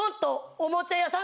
「おもちゃ屋さん」